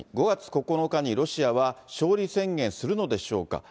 ５月９日にロシアは勝利宣言するのでしょうか。